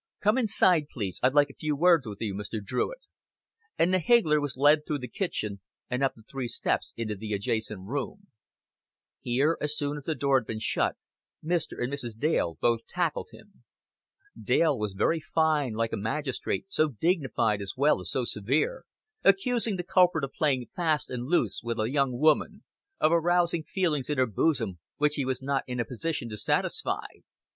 "Come inside, please. I'd like a few words with you, Mr. Druitt;" and the higgler was led through the kitchen, and up the three steps into the adjacent room. Here, as soon as the door had been shut, Mr. and Mrs. Dale both tackled him. Dale was very fine, like a magistrate, so dignified as well as so severe, accusing the culprit of playing fast and loose with a young woman, of arousing feelings in her bosom which he was not in a position to satisfy.